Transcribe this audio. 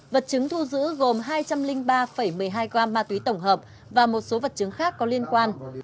vật chứng thu giữ gồm hai trăm linh ba một mươi hai gram ma túy tổng hợp và một số vật chứng khác có liên quan